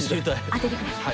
当ててください。